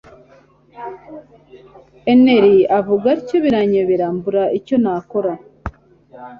Henry avuga atyo biranyobera mbura icyo nakora